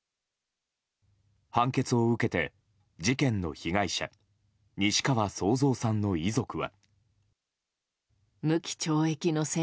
判決を受けて事件の被害者西川惣蔵さんの遺族は。